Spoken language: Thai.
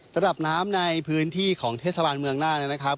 ระดับน้ำในพื้นที่ของเทศบาลเมืองน่านนะครับ